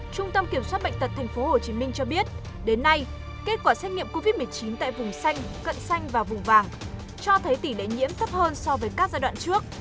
trung tâm kiểm soát bệnh tật tp hcm cho biết đến nay kết quả xét nghiệm covid một mươi chín tại vùng xanh cận xanh và vùng vàng cho thấy tỷ lệ nhiễm thấp hơn so với các giai đoạn trước